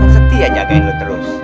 setia njagain lo terus